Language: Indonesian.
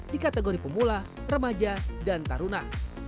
di kategori pemula remaja dan taruna